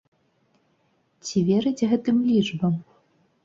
Ці верыць гэтым лічбам?